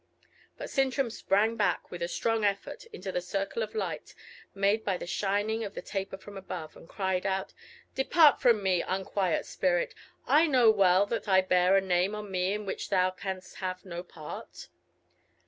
But Sintram sprang back, with a strong effort, into the circle of light made by the shining of the taper from above, and cried out, "Depart from me, unquiet spirit! I know well that I bear a name on me in which thou canst have no part."